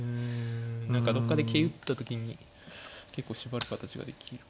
何かどっかで桂打った時に結構縛る形ができるか。